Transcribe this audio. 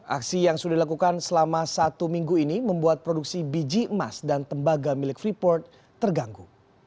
aksi yang sudah dilakukan selama satu minggu ini membuat produksi biji emas dan tembaga milik freeport terganggu